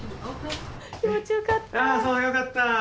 あそうよかった。